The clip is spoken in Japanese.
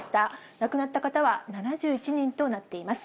亡くなった方は７１人となっています。